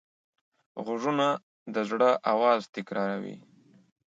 غوږونه د زړه آواز تکراروي